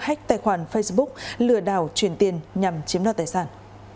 hách tài khoản facebook lừa đảo chuyển tiền nhằm chiếm đoạt tài sản